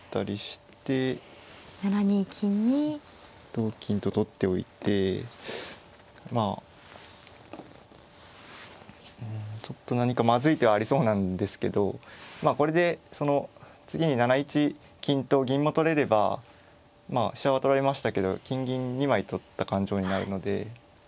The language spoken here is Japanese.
同金と取っておいてまあうんちょっと何かまずい手はありそうなんですけどまあこれで次に７一金と銀も取れればまあ飛車は取られましたけど金銀２枚取った勘定になるので。